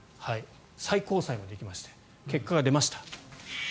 最高裁まで行きまして結果が出ました。